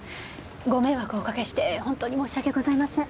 ご迷惑をおかけして本当に申し訳ございません。